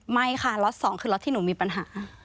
ไม่ค่ะล็อตสองคือล็อตที่หนูมีปัญหา